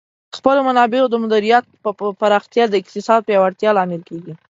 د خپلو منابعو د مدیریت پراختیا د اقتصاد پیاوړتیا لامل کیږي.